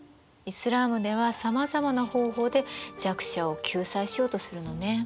イスラームではさまざまな方法で弱者を救済しようとするのね。